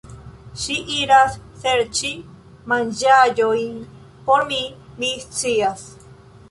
Ŝi iras serĉi manĝaĵojn por mi, mi scias